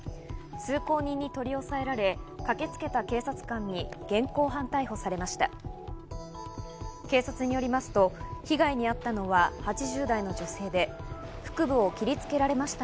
通行人に取り押さえられ、駆けつけた警察官に現行犯逮捕されました。